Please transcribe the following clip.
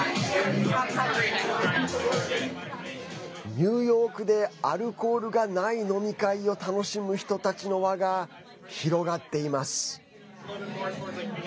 ニューヨークでアルコールがない飲み会を楽しむ人たちの輪が広がっています。